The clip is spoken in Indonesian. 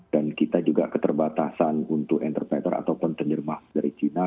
dan kita juga keterbatasan untuk interpreter ataupun tenyermah dari china